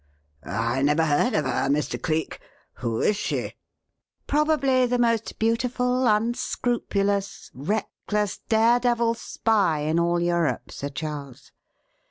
'" "I never heard of her, Mr. Cleek. Who is she?" "Probably the most beautiful, unscrupulous, reckless, dare devil spy in all Europe, Sir Charles.